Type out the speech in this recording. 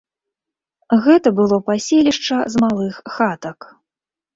Гэта было паселішча з малых хатак.